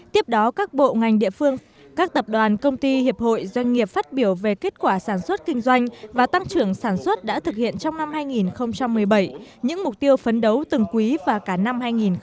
tiếp đó các bộ ngành địa phương các tập đoàn công ty hiệp hội doanh nghiệp phát biểu về kết quả sản xuất kinh doanh và tăng trưởng sản xuất đã thực hiện trong năm hai nghìn một mươi bảy những mục tiêu phấn đấu từng quý và cả năm hai nghìn một mươi tám